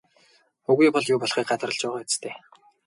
Үгүй бол юу болохыг гадарлаж байгаа биз дээ?